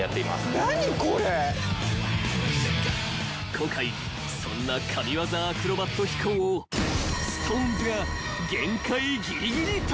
［今回そんな神業アクロバット飛行をＳｉｘＴＯＮＥＳが］